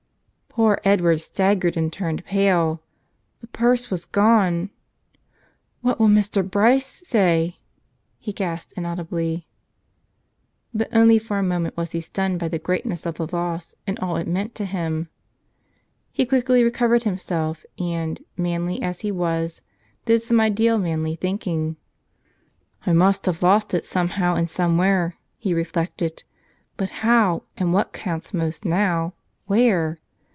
Poor Edward staggered and turned pale. The purse was gone! "What will Mr. Bryce say?" he gasped in audibly. But only for a moment was he stunned by the greatness of the loss and all it meant to him. He quickly recovered himself and, manly as he was, did some ideal manly thinking. "I must have lost it some¬ how and somewhere," he reflected. "But how and, what counts most now, where?